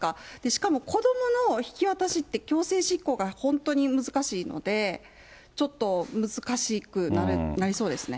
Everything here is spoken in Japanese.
しかも子どもの引き渡しって、強制執行が本当に難しいので、ちょっと、難しくなりそうですね。